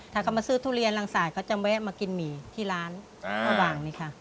ถ้าเขามาซื้อทุเรียนรังสายเขาจะแวะมากินหมี่ที่ร้านระหว่างนี้ค่ะ